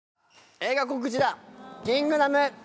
映画告知だ『キングダム』。